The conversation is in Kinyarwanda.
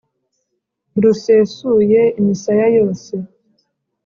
rusesuye imisaya yose.